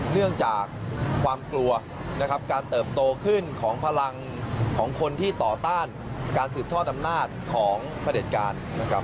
เนื่องจากความกลัวนะครับการเติบโตขึ้นของพลังของคนที่ต่อต้านการสืบทอดอำนาจของพระเด็จการนะครับ